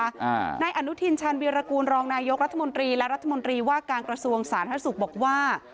นายอนุทินชาญวีรกูลรองนายกรัฐมนตรีและรัฐมนตรีว่าการกระทรวงสาธารณสุขบอกว่า